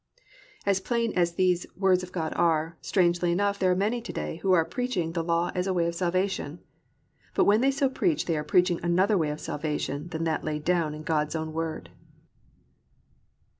"+ As plain as these words of God are, strangely enough there are many to day who are preaching the law as a way of salvation. But when they so preach they are preaching another way of salvation than that laid down in God's own word.